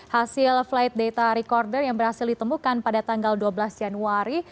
hasil flight data recorder yang berhasil ditemukan pada tanggal dua belas januari